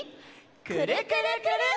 「くるくるくるっ」！